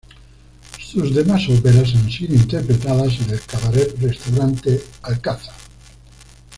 Sus demás óperas han sido interpretadas en el cabaret restaurante Alcázar.